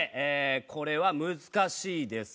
これは難しいですか？